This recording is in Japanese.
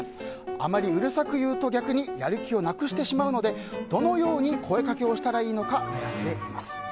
あまりうるさく言うと逆にやる気をなくしてしまうのでどのように声かけをしたらいいのか悩んでいます。